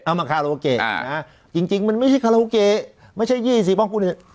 เอามาคาราโอเกะอ่าจริงจริงมันไม่ใช่คาราโอเกะไม่ใช่ยี่สิบห้องคุณเนี้ย